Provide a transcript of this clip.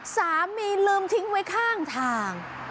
สามีลืมทิ้งไว้ข้างทาง